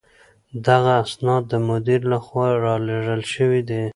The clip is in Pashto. دغه اسناد د مدير له خوا رالېږل شوي دي.